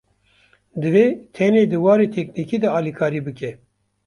Divê tenê di warê teknîkî de alîkarî bike